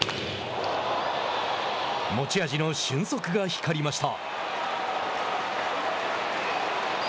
持ち味の俊足が光りました。